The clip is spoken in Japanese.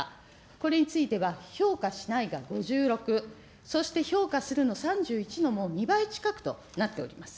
これについては、評価しないが５６、そして評価するの３１のもう２倍近くとなっております。